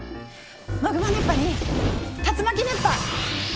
マグマ熱波に竜巻熱波。